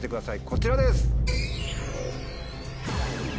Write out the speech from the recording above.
こちらです！